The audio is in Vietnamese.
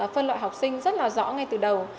phân loại học sinh rất là rõ ngay từ đầu